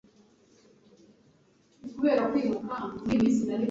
wa kagabo we? » Bakame iti :« Ba uretse ndajya